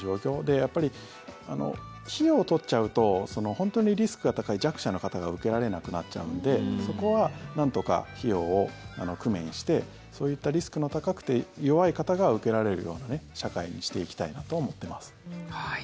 やっぱり、費用を取っちゃうと本当にリスクが高い弱者の方が受けられなくなっちゃうのでそこはなんとか費用を工面してそういったリスクの高くて、弱い方が受けられるような社会にしていきたいなとは思ってます。